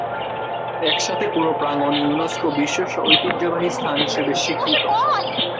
একসাথে পুরো প্রাঙ্গণ ইউনেস্কো বিশ্ব ঐতিহ্যবাহী স্থান হিসেবে স্বীকৃত।